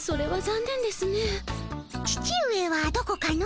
父上はどこかの？